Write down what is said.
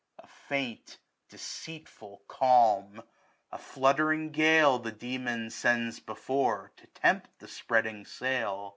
A faint deceitful calm. A fluttering gale, the demon sends before^ To tempt the spreading sail.